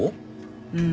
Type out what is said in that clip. うん。